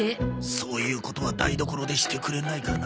そういうことは台所でしてくれないかな。